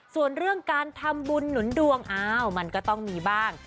ส่วนเรื่องการทำบุญหนุนดวงอ้าวมันก็ต้องมีบ้าง